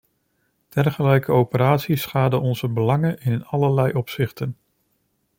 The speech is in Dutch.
Dergelijke operaties schaden onze belangen in allerlei opzichten.